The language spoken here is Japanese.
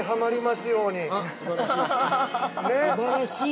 ◆すばらしい。